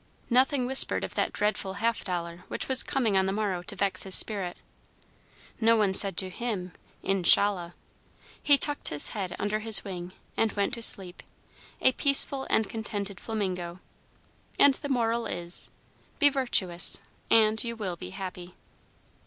Nothing whispered of that dreadful half dollar which was coming on the morrow to vex his spirit. No one said to him "Inshallah." He tucked his head under his wing and went to sleep, a peaceful and contented flamingo; and the moral is, "Be virtuous and you will be happy."